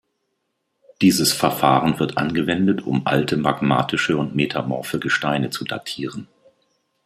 Dieses Verfahren wird angewendet, um alte magmatische und metamorphe Gesteine zu datieren.